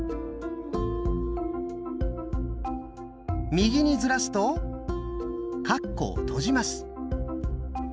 右にずらすとカッコを閉じます。